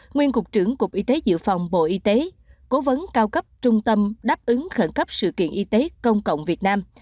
nguyên cục trưởng cục y tế dự phòng bộ y tế cố vấn cao cấp trung tâm đáp ứng khẩn cấp sự kiện y tế công cộng việt nam